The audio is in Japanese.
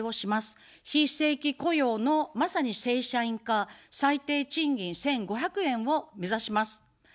非正規雇用のまさに正社員化、最低賃金１５００円を目指します。